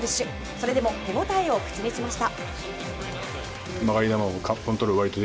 それでも手応えを口にしました。